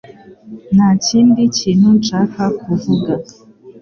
Nta kindi kintu nshaka kuvuga